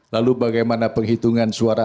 lalu bagaimana penghitungan suara